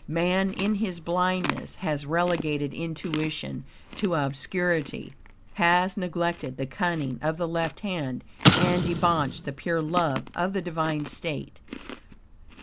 Man, in his blindness, has relegated intuition to obscurity; has neglected the cunning of the left hand and debauched the pure love of the divine state.